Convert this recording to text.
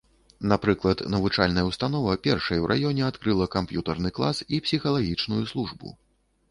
Напрыклад, навучальная ўстанова першай у раёне адкрыла камп'ютарны клас і псіхалагічную службу.